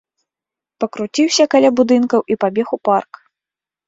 Пакруціўся каля будынкаў і пабег у парк.